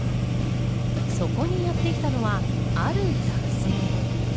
そこにやってきたのは、ある男性。